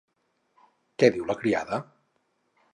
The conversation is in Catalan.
Què diu la criada?